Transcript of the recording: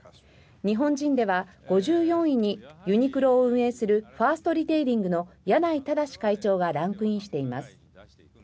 日本人では５４位にユニクロを運営するファーストリテイリングの柳井正会長がランクインしています。